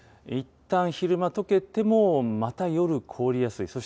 いったん昼間とけても、また夜、凍りやすい。